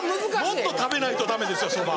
もっと食べないとダメですよそば。